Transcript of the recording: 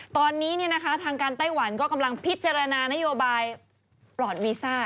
ตอนนี้ทางการไต้หวันก็กำลังพิจารณานโยบายปลอดวีซ่า